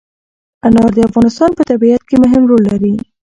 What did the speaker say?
انار د افغانستان په طبیعت کې مهم رول لري.